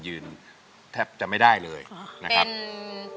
ยืนแทบจะไม่ได้เลยนะครับ